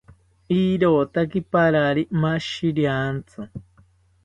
Irotaki parari mashiriantzi